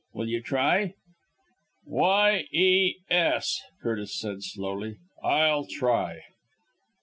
Will you try?" "Y e s!" Curtis said slowly; "I'll try."